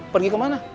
pergi ke mana